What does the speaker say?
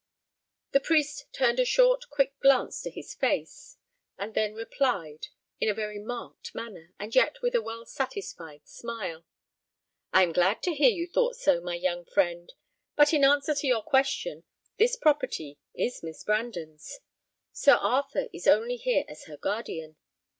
The priest turned a short, quick glance to his face, and then replied, in a very marked manner, but yet with a well satisfied smile, "I am glad to hear you thought so, my young friend; but in answer to your question, this property is Miss Brandon's. Sir Arthur is only here as her guardian.